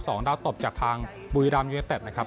สองดาวตบจากทางบุยรัมย์ยูนิเต็ดนะครับ